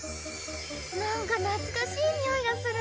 なんか懐かしい匂いがする。